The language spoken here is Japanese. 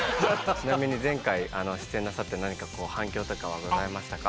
ちなみに前回出演なさって何かこう反響とかはございましたか？